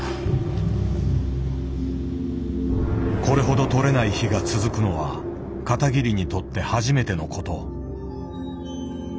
これほど捕れない日が続くのは片桐にとって初めてのこと。